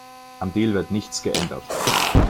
Am Deal wird nichts geändert.